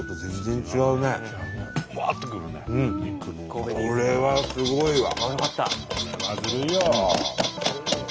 これはすごいわ。